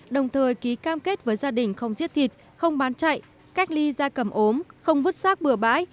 đồng thời ký cam kết với gia đình không giết thịt không bán chạy cách ly da cầm ốm không vứt sát bừa bãi